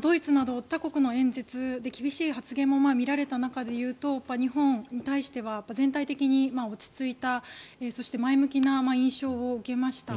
ドイツなど他国の演説で厳しい発言も見られた中でいうと日本に対しては全体的に落ち着いたそして、前向きな印象を受けました。